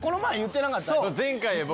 前回僕。